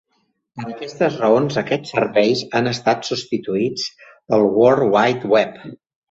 Per aquestes raons, aquests serveis han estat substituïts pel World Wide Web.